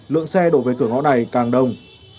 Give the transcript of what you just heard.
lượng xe đổ về cửa ngõ này càng đông